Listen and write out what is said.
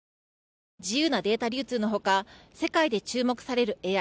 自由なデータ流通のほか世界で注目されるＡＩ